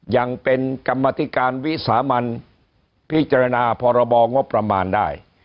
ยังเป็นกรรมธิการวิสามันพิจารณาพรบงบประมาณได้